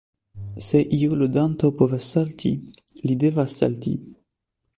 Se iu ludanto povas salti li devas salti.